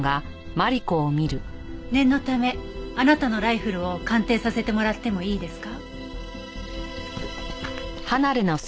念のためあなたのライフルを鑑定させてもらってもいいですか？